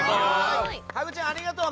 ハグちゃん、ありがとう！